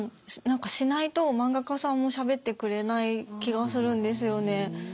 何かしないと漫画家さんもしゃべってくれない気がするんですよね。